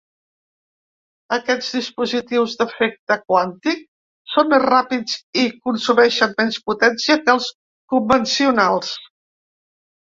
Aquests dispositius d'efecte quàntic són més ràpids i consumeixen menys potència que els convencionals.